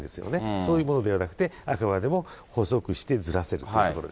そういうものではなくて、あくまでも細くしてずらせるというところです。